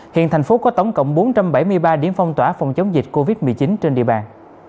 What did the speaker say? hiện thành phố có tổng cộng bốn trăm bảy mươi ba điểm phong tỏa phòng chống dịch covid một mươi chín trên địa bàn